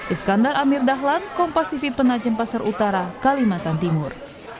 iskandar amir dahlan kompas tv penajem pasar utara kalimantan timur